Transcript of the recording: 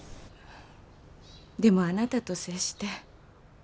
でもあなたと接して。